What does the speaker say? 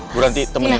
buranti temenin ya